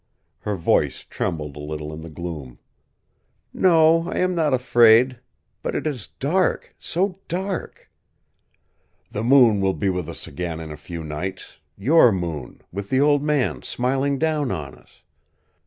Her voice trembled a little in the gloom. "No, I am not afraid. But it is dark so dark " "The moon will be with us again in a few nights your moon, with the Old Man smiling down on us.